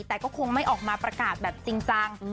แต่ก็คงไม่ออกมาประกาศแบบจริงจัง